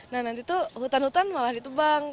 nah nanti tuh hutan hutan malah ditebang